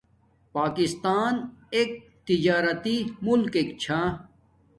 پاکستاں ایک تجاراتی ملکک چھا